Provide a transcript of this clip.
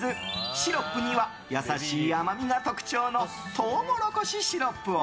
シロップには優しい甘みが特徴のトウモロコシシロップを。